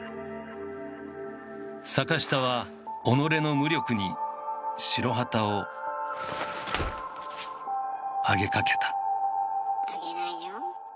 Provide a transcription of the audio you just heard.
坂下は己の無力に白旗をあげかけたあげないよ。